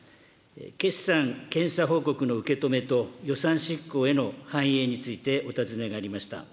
決算検査報告の受け止めと予算執行への反映についてお尋ねがありました。